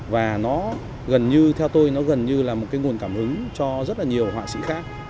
và nó gần như theo tôi nó gần như là một cái nguồn cảm hứng cho rất là nhiều họa sĩ khác